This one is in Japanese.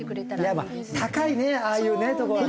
いやまあ高いねああいうとこはね。